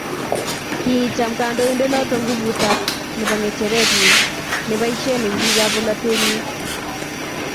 Kicham kandoindet noto nguvut ab nebo ngecheret nyi neboishei eng bik ab polatet nyi.